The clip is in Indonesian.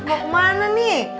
mau kemana nih